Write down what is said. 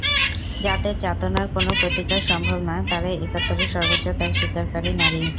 যাঁদের যাতনার কোনো প্রতিকার সম্ভব না, তাঁরাই একাত্তরে সর্বোচ্চ ত্যাগ স্বীকারকারী নারী।